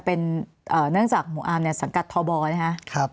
เป็นเนื่องจากหมู่อาร์มเนี่ยสังกัดทบนะครับ